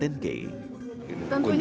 tentunya kita bergerak minimal